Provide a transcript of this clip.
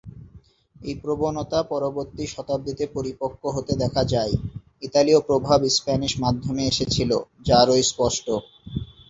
এই প্রবণতা পরবর্তী শতাব্দীতে পরিপক্ক হতে দেখা যায়। ইতালীয় প্রভাব স্প্যানিশ মাধ্যমে এসেছিল, যা আরও স্পষ্ট।